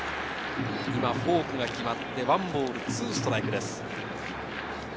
今フォークが決まって１ボール２ストライクです。